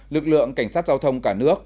lực lượng cảnh sát giao thông cả nước